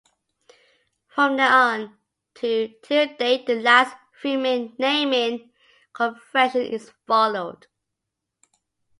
From then on to till date the last three naming convention is followed.